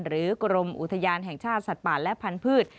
กรมอุทยานแห่งชาติสัตว์ป่าและพันธุ์